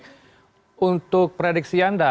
bagaimana persetujuan anda